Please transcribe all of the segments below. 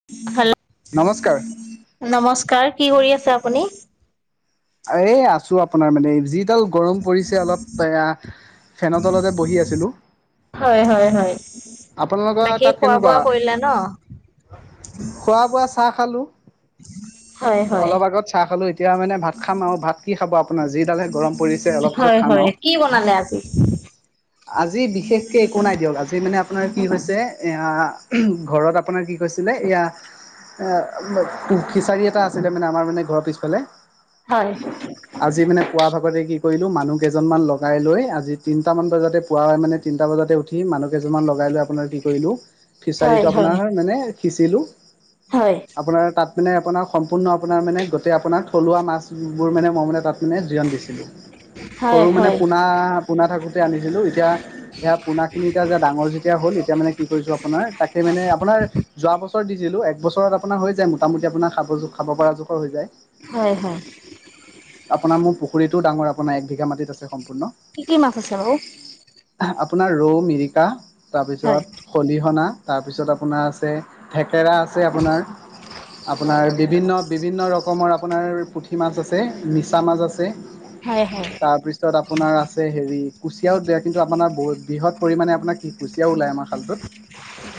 [unintelligible] নমস্কাৰ। নমস্কাৰ কি কৰি আছে আপুনি? এ আছো আপোনাৰ মানে যিডাল গৰম পৰিছে অলপ এ ফেনৰ তলতে বহি আছিলো। হয় হয় হয়। আপোনালোকৰ বাকী তাত খোৱা কেনেকুৱা? বোৱা কৰিলা ন? খোৱা বোৱা চাহ খালো হয় হয়। অলপ আগত চাহ খালো এতিয়া মানে ভাত খাম আৰু ভাত কি খাব, আপোনাৰ যিডালহে গৰম পৰিছে অলপ পিছত হয় খাম হয় আৰু। কি বনালে আজি? আজি বিশেষকে একো নাই দিয়ক, আজি মানে আপোনাৰ কি হৈছে এয়া ঘৰত আপোনাৰ কি কৈছিলে এইয়া ফিচাৰী এটা আছিলে মানে আমাৰ মানে ঘৰৰ পিছফালে। হয়। আজি মানে পুৱা ভাগতে কি কৰিলো মানুহ কেইজনমান লগাই লৈ আজি তিনটা মান বজাতে পুৱাই মানে তিনটা বজাতে উঠি মানুহ কেইজনমান লগাই লৈ আপোনাৰ কি কৰিলো হয় ফিচাৰীটো হয় আপোনাৰ মানে সিঁচিলো। হয়। আপোনাৰ তাত মানে আপোনাৰ সম্পূৰ্ণ আপোনাৰ মানে গোটেই আপোনাৰ থলুৱা মাছবোৰ মানে মই মানে তাত মানে জিৰণ দিছিলোঁ। সৰু হয় মানে হয় পোনা, পোনা থাকোঁতে আনিছিলোঁ, এতিয়া সেইয়া পোনা খিনি এতিয়া যে ডাঙৰ যেতিয়া হ'ল এতিয়া মানে কি কৰিছোঁ আপোনাৰ তাকে মানে আপোনাৰ যোৱা বছৰ দিছিলো, এক বছৰত আপোনাৰ হৈ যায় মোটামুটি আপোনাৰ খাব খাব পৰা জোখৰ হৈ যায়। হয় হয়। আপোনাৰ মোৰ পুখুৰীটো ডাঙৰ আপোনাৰ এক বিঘা মাটিত আছে সম্পূৰ্ণ। কি কি মাছ আছে বাৰু? আপোনাৰ ৰৌ, মিৰিকা হয় তাৰপিছত হলিহনা, তাৰপিছত আপোনাৰ আছে থেকেৰা আছে আপোনাৰ, আপোনাৰ বিভিন্ন বিভিন্ন ৰকমৰ আপোনাৰ পু পুঠি মাছ আছে, মিছা মাছ আছে- হয় হয়। তাৰপিছত আপোনাৰ আছে হেৰি কুচিয়াও দিয়ে কিন্তু আপোনাৰ ব বৃহৎ পৰিমাণে আপোনাৰ কি কুচিয়াও ওলায় আমাৰ খালটোত।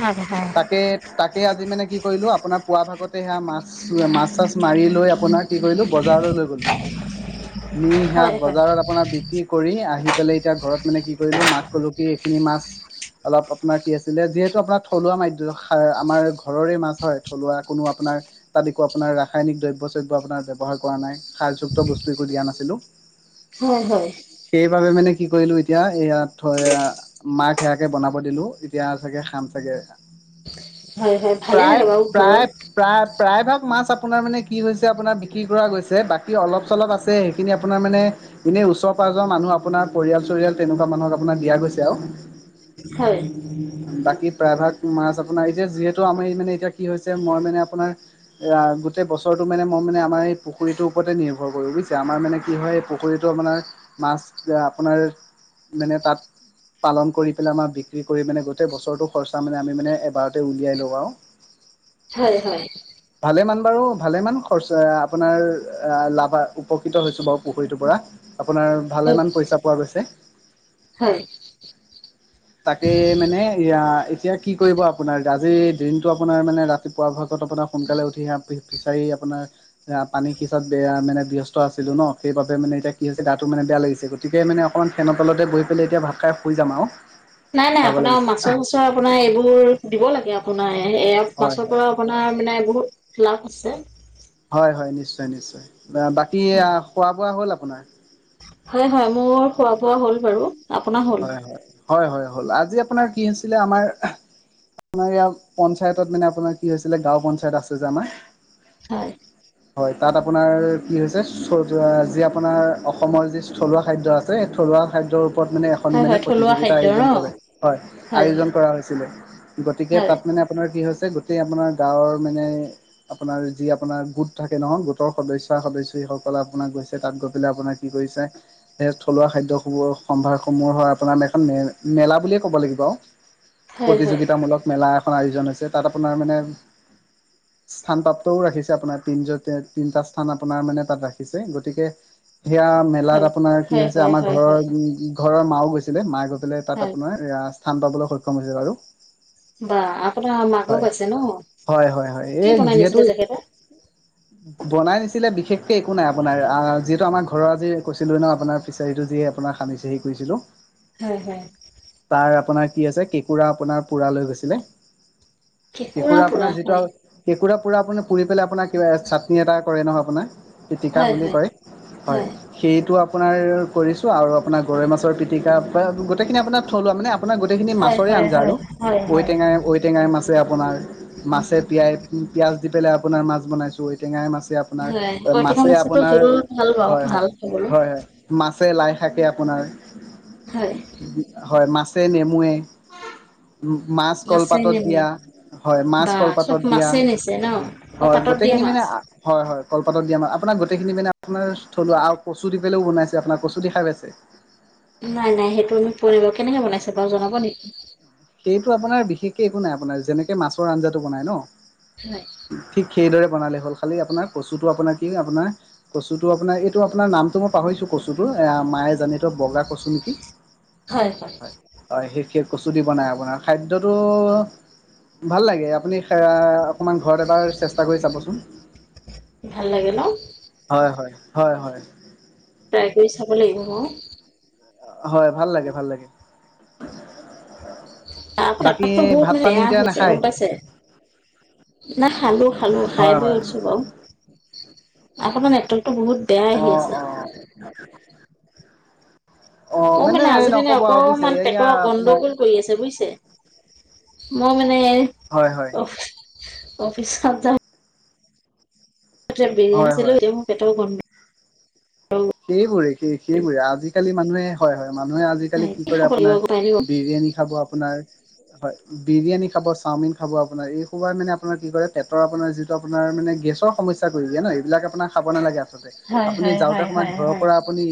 হয় হয়। তাকে তাকে আজি মানে কি কৰিলোঁ আপোনাৰ পুৱা ভাগতে সেয়া মাছ। মাছ-চিছ মাৰি লৈ আপোনাৰ কি কৰিলো বজাৰলৈ লৈ গ'লো। নি সেয়া হয় হয় বজাৰত আপোনাৰ বি বিক্ৰী কৰি আহি পেলাই এতিয়া ঘৰত মানে কি কৰিলো মাক ক'লো কি এইখিনি মাছ অলপ আপোনাৰ কি আছিলে যিহেতু আপোনাৰ থলুৱা মাধ্য আমাৰ ঘৰৰে হয় থলুৱা কোনো আপোনাৰ তাত একো আপোনাৰ ৰাসায়নিক দ্ৰব্য-চ্ৰব্য আপোনাৰ ব্যৱহাৰ কৰা নাই, সাৰযুক্ত বস্তু একো দিয়া নাছিলো। হয় হয়। সেইবাবে মানে কি কৰিলো এতিয়া ইয়াত- মাক সেয়াকে বনাব দিলোঁ, এতিয়া চাগে খাম চাগে। হয় হয় ভালে প্ৰায়, লাগে বাৰু ঘৰৰ প্ৰায়- প্ৰায় প্ৰায় ভাগ মাছ আপোনাৰ মানে কি হৈছে আপোনাৰ বিক্ৰী কৰা গৈছে, বাকী অলপ চলপ আছে। সেইখিনি আপোনাৰ মানে এনেই ওচৰ পাঁজৰ মানুহ আপোনাৰ পৰিয়াল-চৰিয়াল তেনেকুৱা মানুহক আপোনাৰ দিয়া গৈছে আৰু। হয় বাকী প্ৰায় ভাগ- মাছ আপোনাৰ এতিয়া যিহেতু আমাৰ মানে এতিয়া কি হৈছে মই মানে আপোনাৰ এইয়া গোটেই বছৰটো মানে মই মানে আমাৰ এই পুখুৰীটোৰ ওপৰতে নিৰ্ভৰ কৰো বুজিছা। আমাৰ মানে কি হয় পুখুৰীটো আপোনাৰ মাছ আপোনাৰ মানে তাত- পালন কৰি পেলাই আমাৰ বিক্ৰী কৰি মানে গোটেই বছৰটো খৰচা মানে আমি মানে এবাৰতে উলিয়াই লওঁ আৰু। [unintelligible] হয় হয়। ভালে মান বাৰু ভালে মান খৰচ আহ' আপোনাৰ লাভা উপকৃত হৈছো বাৰু পুখুৰীটোৰ পৰা আপোনাৰ ভালেমান পইচা পোৱা গৈছে। হয় তাকে মানে এয়া এতিয়া কি কৰিব আপোনাৰ আজিৰ দিনটো আপোনাৰ মানে ৰাতিপুৱা ভাগত আপোনাৰ সোনকালে উঠি আহ ফিচাৰি আপোনাৰ এ পানী সিচাত বেয়া মানে ব্যস্ত আছিলো ন সেইবাবে মানে এতিয়া কি হৈছে গাহটো মানে বেয়া লাগিছে। গতিকে মানে অকণমান ফেনৰ তলতে বহি পেলাই এতিয়া ভাত খাই শুই যাম আও। নাই নাই আপোনাৰ মাছৰ চাছৰ আপোনাৰ এইবোৰ দিব লাগে আপোনাৰ এ হয় মাছৰ হয়। পৰা আপোনা নাৰ মানে বহুত লাভ আছে হয় হয় নিশ্চয় নিশ্চয়। বাকী খোৱা বোৱা হ'ল আপোনাৰ? হয় হয় মোৰ খোৱা বোৱা হ'ল বাৰু। আপোনাৰ হ'ল হয় হয় হয় হয় হ'ল। আজি আপোনাৰ কি হৈছিলে আমাৰ আমাৰ ইয়াৰ পঞ্চায়তত মানে আপোনাৰ কি হৈছিলে গাঁও পঞ্চায়ত আছে যে আমাৰ হয় হয় তাত আপোনাৰ কি হৈছে যি আপোনাৰ অসমৰ যি থলুৱা খাদ্য আছ ছে থলুৱা খাদ্যৰ ওপৰত মানে এখ এখনি হয় হয় থলুৱা প্ৰতিযোগিতা খাদ্য ন আইউজন কৰে, হয় আইউজন কৰা হৈছিল। গতিকে হয় তাত মানে আপোনাৰ কি হৈছে গোটেই আপোনাৰ গাঁৱৰ মানে আপোনাৰ যি আপোনাৰ গোট থাকে নহয় গোটৰ সদস্য সদস্যি সকল আপোনাক গৈছে তাত গৈ পেলাই আপোনাক। কি‌ কৰিছে এই থলুৱা খাদ্যসমূহৰ সম্ভাৰ। সমূহৰ আপোনাৰ এখন মে মেলা বিয়ে ক'ব লাগিব আও হয় হয় প্ৰতিযোগিতামূলক মেলা এখন আয়োজন হৈছে তাত আপোনাৰ মানে স্থানপ্ৰাপ্তও ৰাখিছে আপোনাৰ তিন তিনটা স্থান আপোনাৰ মানে তাত ৰাখিছে গতিকে সেয়া মে লাত হয় আপোনাৰ কি হয় হৈছে হয় আমাৰ হয় ঘৰৰ হয় উম ঘৰৰ মাও গৈছিলে মা গৈ পেলাই তাত হয় আপোনাৰ এয়া স্থান পাবলৈ সক্ষম হৈছিল বাৰু। বা আপোনাৰ মাকো হয় গৈছে ন, হয় হয় হয় এই কি বনাই যিহেতু নিছিলো তেখেতে? বনাই নিছিলে বিশেষকে একো নাই আপোনাৰ যিহেতু আমাৰ ঘৰৰ আজি কৈছিলো ন আপোনাৰ। ফিচাৰিটো যি আপোনাক সানিছে সেই কৰিছিলো। হয় হয় তাৰ আপোনাৰ কি আছে কেঁকুৰা আপোনাৰ পোৰা লৈ গৈছিলে কেঁকুৰা কেকুৰা পুৰা আপোনাৰ যিটো হয় কেঁকুৰা পুৰা আপুনা পুৰি পেলাই আপোনাৰ কিবা চাটনি এটা কৰে নহয় আপোনাৰ পিতিকা হয় বুলি হয় কয় হয় সেইটো আপোনাৰ কৰিছো আৰু আপোনাৰ গৰৈ মাছৰ পিটিকা পৰা গোটেই খিনি আপোনাৰ থলুৱা মানে আপোনাৰ গোটেইখিনি হয় মাছৰে হয় আঞ্জা আৰু হয় হয় হয় ঔটেঙা, ঔ টেঙাই মাছে আপোনাৰ মাছে পিয়াই পিয়াঁজ দি পেলাই আপোনাৰ মাছ বনাইছোঁ ঐ টেঙাই মাছে হয় আপোনাৰ ঔটেঙা মাছে মাছতো আপোনাৰ জোল ভাল পাওঁ হয় হয় ভাল খাবলৈ হয় হয় মাছে লাই শাকে আপোনাৰ হয় হয় মাছে নেমুৱে মাছ মাছে কলপাতত নেমু দিয়া হয় মাছ বা চব কলপাতত দিয়া মাছেই নিছে ন অ হয় পাতত দিয়া গোটেইখিনি মানে মাছ হয় হয় কলপাতক দিয়া আমাৰ আপোনাৰ গোটেইখিনি মানে আপোনাৰ আও থলুৱা কচু দি পেলেও বনাইছে আপোনাৰ কচু দি খাই পাইছে নাই নাই সেইটো আমি ফুৰিব কেনেকে বনাইছে বাৰু জনাব নেকি? সেইটো আপোনাৰ বিশেষকে একো নাই আপোনাৰ যেনেকে মাছৰ আঞ্জাটো বনাই ন হয়। ঠিক সেইদৰে বনালে হ'ল, খালি আপোনাৰ কচুটো আপোনাৰ কি আপোনাৰ কচুটো আপোনাৰ এইটো আপোনাৰ নামটো মই পাহৰিছো কচুটো এ মায়ে জানে বগা কচু নেকি, হয় হয় সেই কচু দি বনাই আপোনাৰ খাদ্যটো ভাল লাগে আপুনি এ অকণমান ঘৰত এবাৰ চেষ্টা কৰি চাবচোন। ভাল লাগে ন। হয়-হয়, হয়-হয়। ট্ৰাই কৰি চাবো লাগিব। হয় ভাল লাগে ভাল লাগে। তাৰপা বাকী ভাত পানী [unintelligible] এতিয়া হৈছে নাখায় গম পাইছে নাই খালো খালো খাই হয় বৈ হয় উঠছো বাৰু। আপোনাৰ নেটৱৰ্কটো বহুত বেয়া অ আহি আছে। অ [inaudible] অ মোৰ মানে এই আজি মানে নক'ব আৰু বুজিছে অকমান এয়া পেটৰ আপোনাৰ গণ্ডগোল কৰি আছে বুজিছে। মই মানে হয় হয়। অফি অফিচত যাম। হয় হয় [unintelligible] পেটৰ গণ সেইবোৰে সেই সেইবোৰে আজিকালি মানুহে হয় হয়, মানুহে আজি কি কৰে খাব লাগিব আপোনাৰ, পাৰিব? বিৰিয়ানী খাবো আপোনাৰ হয় বিৰিয়ানী খাবো, চাওমিন খাবো আপোনাৰ এই সয়াই মানে আপোনাৰ কি কৰে পেটৰ আপোনাৰ যিটো আপোনাৰ মানে গেছৰ সমস্যা কৰি দিয়া ন, এইবিলাক আপোনাৰ খাবো নালাগে আচলতে, হয় আপুনি হয় যাওঁতে হয় সময়ত হয় ঘৰৰ হয় পৰা আপুনি,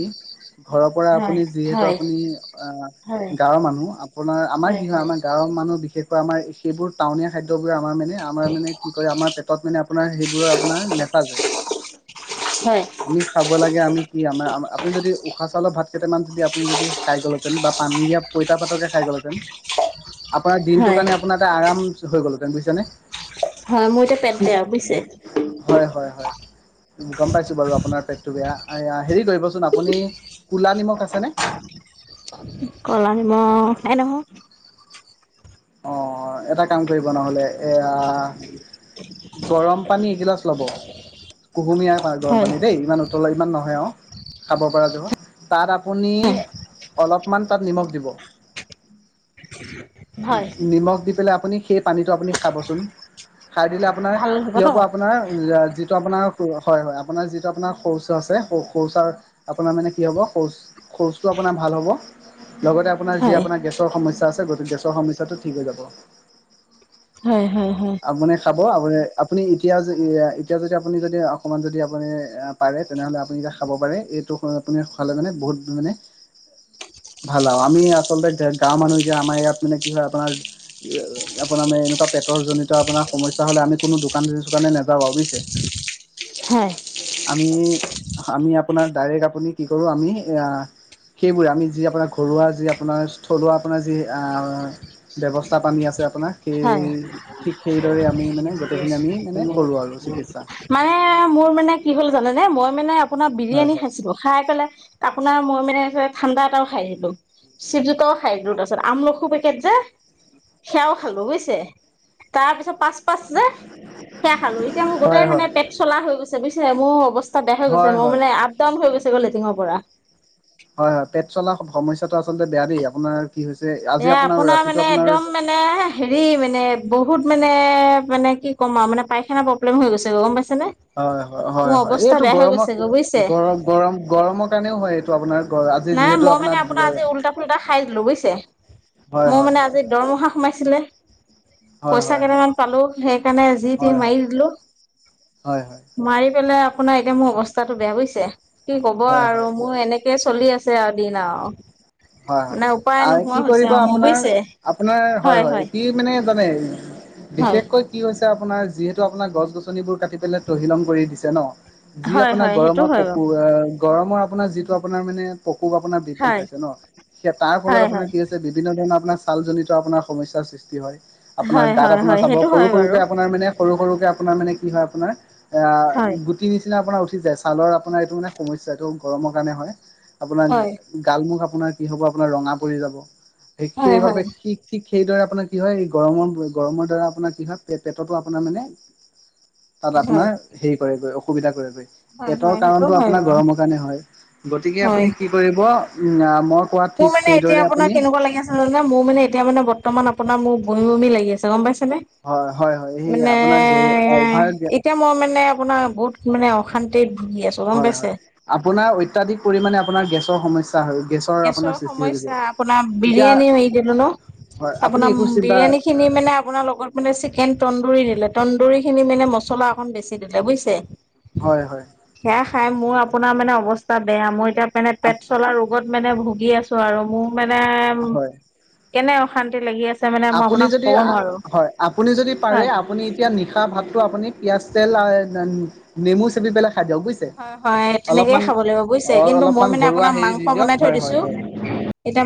ঘৰৰ পৰা হয় আপুনি যিহেতু হয় হয় আপুনি অ হয় গাঁওৰ মানুহ আপোনাৰ আমাৰ কি হয় আমাৰ গাঁওৰ মানুহ বিশেষ আমাৰ সেইবোৰ টাউনীয়া খাদ্যবোৰ আমাৰে মানে আমাৰ মানে কি কৰে আমাৰ পেটত মানে আপোনাৰ সেইবোৰৰ আপোনাৰ [unintelligible] [inaudible] আমি খাব লাগে আমি কি আমাৰ আপুনি যদি উশাহ চাউলৰ ভাত কেইটামান যদি আপুনি যদি খাই গ'ল বা পানী দিয় পইতা ভাত খাই গ'ল হেঁতেন আপোনাৰ দিনটো হয় কাৰণে আপোনাৰ এটা আৰাম হৈ গ'ল বুজিছানে। হয় মোৰ এতিয়া পেট বেয়া বুজিছে হয় হয় গম পাইছো বাৰু আপোনাৰ পেকটো বেয়া। য়া হেৰি কৰিবচোন আপুনি কোলা নিমখ আছেনে? কলা নিমখ নাই নহয়। অ এটা কাম নহ'লে এয়া গৰম পানী এগিলাচ ল'ব, কুহুমীয়াৰ গৰম হয় পানী দেই ইমান উতলাই ইমান নহয় আৰু। খাব পৰা যাব, তাত আপুনি হয়। অলপমান তাত নিমখ দিব, [inaudible] নিমখ দি পেলাই আপুনি সেই পানীটো আপুনি খাবচোন। খাই দিলে আপোনাৰ ভাল হ'ব ন? কিহব আপোনাৰ যিটো আপোনাৰ হয় হয় আপোনাৰ যিটো আপোনাৰ শৌচ আছে শৌচাৰ আপোনাৰ মানে কি হ'ব শৌচ শৌচটো আপোনাৰ ভাল হ'ব লগতে আপোনাৰ যি হয়, আপোনাৰ গেছৰ সমস্যা আছে গ গেছৰ সমস্যাটো ঠিক হৈ যাব। হয়, হয়, হয়। আপুনি খাব আপুনি, আপুনি এতিয়া-য এতিয়া যদি আপুনি যদি, অকণমান যদি আপুনি আ পাৰে তেনেহ'লে আপুনি এতিয়া খাব পাৰে, এইটো আপুনি খালে মানে বহুত মানে ভাল আৰু আমি আচলতে গ-গাঁওৰ মানুহ যে, আমাৰ ইয়াত মানে কি হয়, আপোনাৰ আপোনাৰ মানে এনেকুৱা পেটৰজনিত আপোনাৰ সমস্যা হ'লে আমি কোনো দোকানে চোকানে নাযাওঁ আৰু বুইছে। হয়, আমি, আমি আপোনাৰ ডাইৰেক্ট আপুনি কি কৰোঁ আমি এয়া সেইবোৰে আমি যি আপোনাৰ ঘৰুৱা, যি আপোনাৰ থলুৱা আপোনাৰ যি আ ব্যৱস্থা পানী আছে আপোনাক সেই হয়। ঠিক সেইদৰে আমি মানে গোটেইখিনি আমি মানে কৰোঁ আৰু চিকিৎসা। মানে মোৰ মানে কি হ'ল জানানে? মই মানে আপোনাৰ হয় বিৰিয়ানী হয়। খাইছিলোঁ। খাই পেলাই আপোনাৰ মই মানে ঠাণ্ডা এটাও খাই দিলোঁ। চিপচ দুটাও খাই দিলোঁ, তাৰপিছত আমলখু পেকেট যে সেয়াও খালোঁ বুইছে, তাৰপিছত পাচ পাছ যে, সেয়া খালোঁ, এতিয়া মোৰ হয় গোটেই হয় মানে পেট চলা হৈ গৈছে বুইছে মোৰ অৱস্থা বেয়া হৈ গৈছে, হয় মোৰ হয়। মানে আপ, ডাউন হৈ গৈছে গৈ লেটিঙৰ পৰা। হয়, হয়, পেট চলা সমস্যাটো আচলতে বেয়া দেই, আপোনাৰ কি হৈছে এ আজি আপোনাৰ মানে ৰাতিটো আপোনাৰ একদম মানে হেৰি মানে বহুত মানে, মানে কি ক'ম আৰু মানে পায়খানা প্ৰব্লেম হৈ গৈছে গৈ গম [unintelligible] হয়, হয়, মোৰ হয়, অৱস্থা এইটো বেয়া হৈ গৰমৰ, গৈছে গৈ বুজিছে গৰম-গৰম-গৰম কাৰণেও হয়, এই ত' আপোনাৰ [unintelligible] নাই মই মানে আপোনাৰ আজি উল্টা ফুল্টা খাই দিলোঁ বুইছে। হয় মই হয় মানে দৰমহা সোমাইছিলে। হয় পইচা হয় হয় কেইটামান পালোঁ, সেইকাৰণে যি, তি হয় মাৰি হয়। দিলোঁ। হয় হয় মাৰি পেলাই আপোনাৰ এতিয়া মোৰ অৱস্থাটো বেয়া বুইছে, কি ক'ব হয় আৰু হয় মোৰ এনেকে চলি আ আছে আৰু দিন আৰু। হয়, হয়, মানে উপায় আৰু নোহোৱা কি হৈছে কৰিব আৰু মোৰ আপোনাৰ, বুজিছে আপোনাৰ হয়, হয়, কি মানে জানে? হয় বিশেষকৈ কি হৈছে, আপোনাৰ যিহেতু আপোনাৰ গছ গছনিবোৰ কাটি পেলাই তহিলং কৰি দিছে ন'। যি হয় আপোনাৰ হয় সেইটো গৰমৰ হয় বাৰু পকো আ গৰমৰ আপোনাৰ যিটো আপোনাৰ মানে প্ৰকোপ আপোনাৰ বৃদ্ধি হয় পাইছে ন' সেই তাৰফলত হয় আপোনাৰ হয় কি বিভিন্ন ধৰণৰ আপোনাৰ ছালজনিত আপোনাৰ সমস্যাৰ সৃষ্টি হয়। আপোনাৰ হয় গাত হয় আপোনাৰ হয় চাব সেইটো সৰু, হয় বাৰু সৰুকে আপোনাৰ মানে সৰু, সৰুকে আপোনাৰ মানে কি হয়, আপোনাৰ এয়া হয়। গু গুটি নিচিনা আপোনাৰ উঠি যায়, ছালৰ আপোনাৰ এইটো মানে সমস্যা এইটো গৰমৰ কাৰণে হয়, আপোনাৰ হয় গাল, মুখ আপোনাৰ কি হ'ব আপোনাৰ ৰঙা পৰি যাব, হয় হয় সে-সেইবাবে সি ঠিক সেইদৰে আপোনাৰ কি হয়, গৰমৰ, গৰমৰ দ্বাৰা আপোনাৰ কি হয়? পে-পেটতো আপোনাৰ মানে তাত হয় আপোনাৰ হেৰি কৰেগৈ অসুবিধা কৰেগৈ। হয় হয় পেটৰ সেইটো কাৰণটো হয় আপোনাৰ বাৰু গৰমৰ কাৰণে হয়, গতিকে হয়। আপুনি কি কৰিব উম, আ, মই কোৱা মোৰ ঠিক মানে এতিয়া সেইদৰে আপোনাৰ আপুনি কেনেকুৱা লাগি আছ মোৰ মানে এতিয়া মানে বৰ্তমান আপোনাৰ মোৰ বমি, বমি লাগি আছে গম পাইছেনে? হয় হয় হয় সেইয়া মানে, আপোনাৰ অভাৰ এতিয়া মই মানে আপোনাৰ বহুত মানে অশান্তিত ভুগি আছ হয়, হয়, আপোনাৰ অত্যাধিক পৰিমাণে আপোনাৰ গেছৰ সমস্যা হয়, গেছ গেছৰ সমস্যা, আপোনাৰ বিৰিয়ানী মাৰি দিলো ন'। হয় আপুনি আপোনাৰ একো চিন্তা বিৰিয়ানীখিনি মানে আপোনাৰ লগত মানে চিকেন টন্দুৰি দিলে টন্দুৰিখিনি মানে মছলা অকন বেছি দিলে, বুইছে? হয়, হয়। সেয়া খাই মোৰ আপোনাৰ মানে অৱস্থা বেয়া মই এতিয়া মানে পেট চলা ৰুগত মানে ভুগি আছোঁ আৰু মোক মানে, হয় কেনে অশান্তি লাগি আছে মানে মই আপুনি আপোনাক যদি ক'ব আ নোৱাৰো হয়, আপুনি যদি পাৰে হয় আপুনি এতিয়া নিশা ভাত টো আপুনি পিয়াজ তেল আ, নে-নেমু চেপি পেলাই খাই দিয়ক বুজিছে? হয়, হয়। তেনেকেইে অলপমান খাব লাগিব বুজিছে? অ কিন্তু মই অলপমান মানে ঘৰুৱা আপোনাৰ হেৰি মাংস দি দিয়ক বনাই থৈ হয় হয় দিছোঁ। হয় এতিয়া মা